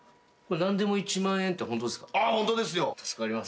何でも１万円ってホントですか？